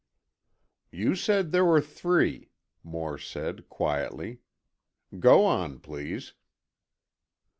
"You said there were three," Moore said, quietly, "go on, please."